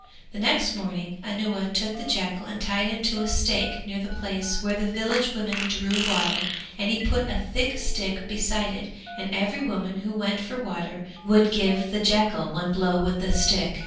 The next morning Anuwa took the jackal and tied him to a stake near the place where the village women drew water and he put a thick stick beside it and every woman who went for water would give the jackal one blow with the stick.